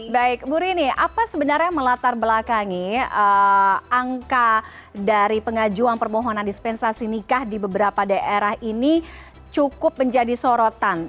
baik bu rini apa sebenarnya melatar belakangi angka dari pengajuan permohonan dispensasi nikah di beberapa daerah ini cukup menjadi sorotan